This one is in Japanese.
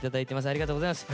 ありがとうございます。